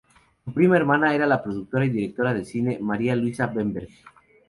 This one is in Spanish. Su prima hermana era la productora y directora de cine María Luisa Bemberg.